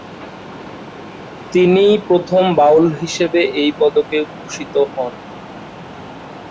তিনিই প্রথম বাউল হিসেবে এই পদকে ভূষিত হন।